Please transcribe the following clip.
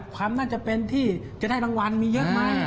ความน่าจะเป็นที่จะได้รางวัลมีเยอะไหม